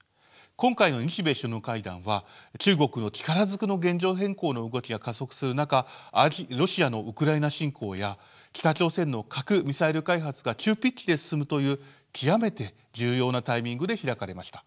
今回の日米首脳会談は中国の力ずくの現状変更の動きが加速する中ロシアのウクライナ侵攻や北朝鮮の核・ミサイル開発が急ピッチで進むという極めて重要なタイミングで開かれました。